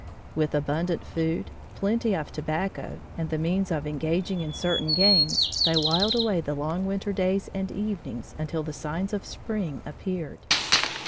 With abundant food, plenty of tobacco and the means of engaging in certain games, they whiled away the long winter days and evenings until the signs of spring appeared.